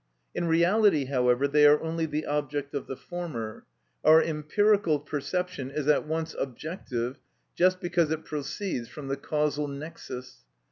In reality, however, they are only the object of the former; our empirical perception is at once objective, just because it proceeds from the causal nexus.